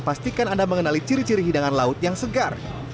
pastikan anda mengenali ciri ciri hidangan laut yang segar